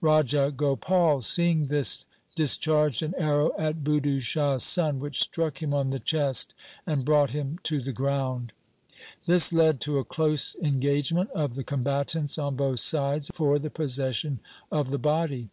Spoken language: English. Raja Gopal seeing this dis charged an arrow at Budhu Shah's son which struck him on the chest, and brought him to the ground. This led to a close engagement of the combatants on both sides for the possession of the body.